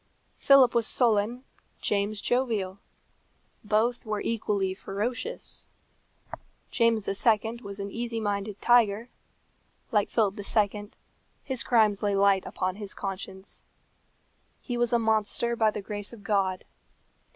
Philip was sullen, James jovial. Both were equally ferocious. James II. was an easy minded tiger; like Philip II., his crimes lay light upon his conscience. He was a monster by the grace of God.